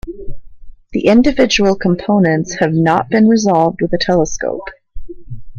The individual components have not been resolved with a telescope.